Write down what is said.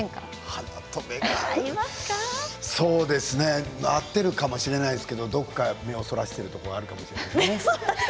花と目が合うそうですね、合ってるかもしれないですけどどこか目をそらしてるところがあるかもしれないですね